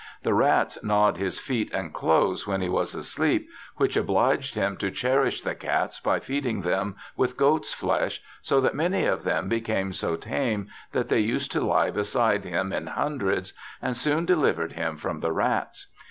The rats gnawed his feet and clothes when he was asleep, which obliged him to cherish the cats by feeding them with goat's flesh, so that many of them became so tame that they used to lie beside him in hundreds, and soon delivered him from the rats.